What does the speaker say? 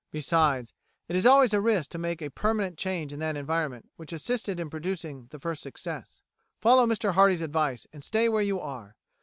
Besides, it is always a risk to make a permanent change in that environment which assisted in producing the first success. Follow Mr Hardy's advice and stay where you are.